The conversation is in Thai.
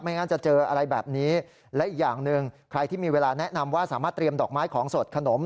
งั้นจะเจออะไรแบบนี้และอีกอย่างหนึ่งใครที่มีเวลาแนะนำว่าสามารถเตรียมดอกไม้ของสดขนม